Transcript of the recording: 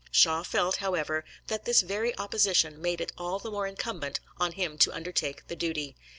Shaw felt, however, that this very opposition made it all the more incumbent on him to undertake the duty.